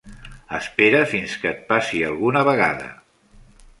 Espera fins que et passi alguna vegada.